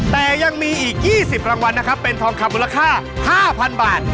แต่ยังมีอีกยี่สิบรางวัลนะครับเป็นทองคับมูลค่าห้าพันบาท